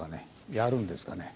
やるんですかね？